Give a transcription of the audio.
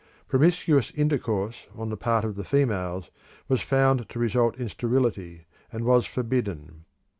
Promiscuous intercourse on the part of the females was found to result in sterility, and was forbidden.